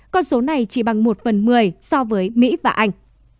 con số này chỉ bằng một phần một mươi so với mỹ và anh